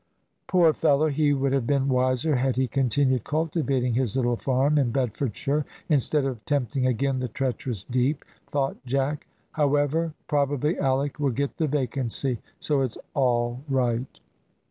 "Poor fellow, he would have been wiser had he continued cultivating his little farm in Bedfordshire, instead of tempting again the treacherous deep," thought Jack. "However, probably Alick will get the vacancy, so it's all right."